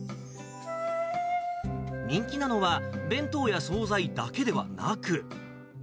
人気なのは、弁当や総菜だけではなく。